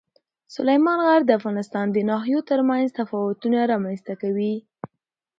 سلیمان غر د افغانستان د ناحیو ترمنځ تفاوتونه رامنځته کوي.